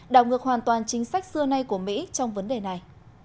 đảo ngược hoàn toàn chính sách xưa nay của mỹ trong vấn đề này